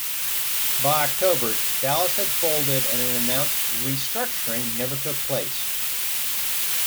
By October, Dallas had folded and an announced "restructuring" never took place.